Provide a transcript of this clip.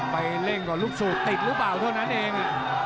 ไปเร่งกว่าลูกสูบติดหรือเปล่านั้นเอง